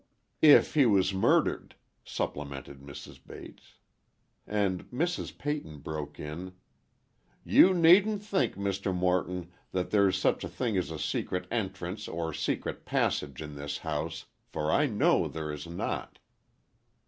"If he was murdered," supplemented Mrs. Bates. And Mrs. Peyton broke in, "You needn't think, Mr. Morton, that there's such a thing as a secret entrance or secret passage in this house, for I know there is not."